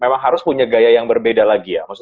maksudnya harus punya sesuatu yang baru dibanding yang lain